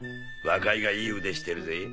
若いがいい腕してるぜ。